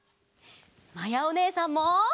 まやおねえさんも。